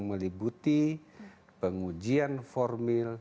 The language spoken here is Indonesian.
melibuti pengujian formil